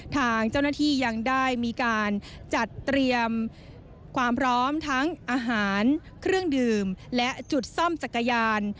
ทางเจ้าหน้าที่ยังได้มีการจัดเตรียมความพร้อมทั้งอาหารเครื่องดื่มและจุดซ่อมจักรยาน